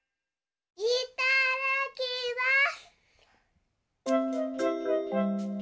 いただきます！